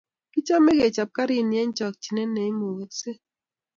kochome kechob garini eng chokchinet neimukoksei